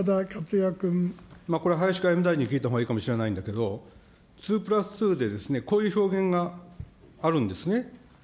これ、林外務大臣に聞いた方がいいかもしれないんだけど、２プラス２でこういう表現があるんですね。